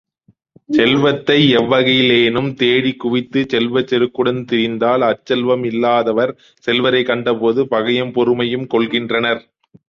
செல்வத்தை எவ்வகையிலேனும் தேடிக்குவித்துச் செல்வச் செருக்குடன் திரிந்தால் அச்செல்வம் இல்லாதவர் செல்வரைக் கண்டபோது பகையும் பொறுமையும் கொள்கின்றனர்.